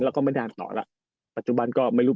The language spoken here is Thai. แล้วก็ไม่ได้อ่านต่อแล้ว